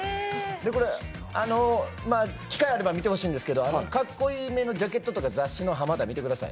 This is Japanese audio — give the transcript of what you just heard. これ、機会があれば見てほしいんですけどかっこいいめのジャケットとか雑誌の濱田、見てください。